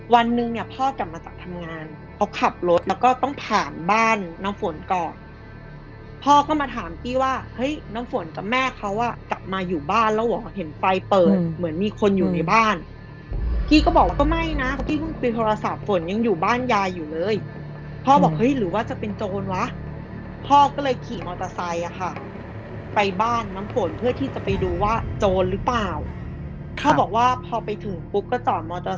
วันหนึ่งเนี้ยพ่อจับมาจากทำงานเขาขับรถแล้วก็ต้องผ่านบ้านน้ำฝนก่อนพ่อก็มาถามพี่ว่าเฮ้ยน้ำฝนกับแม่เขาอะจับมาอยู่บ้านแล้วเห็นไฟเปิดเหมือนมีคนอยู่ในบ้านพี่ก็บอกว่าไม่นะพี่เพิ่งไปโทรศาสตร์ฝนยังอยู่บ้านยายอยู่เลยพ่อบอกเฮ้ยหรือว่าจะเป็นโจรวะพ่อก็เลยขี่มอเตอร์ไซค์อะค่ะไปบ้านน